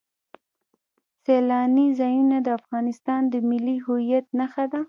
سیلانی ځایونه د افغانستان د ملي هویت نښه ده.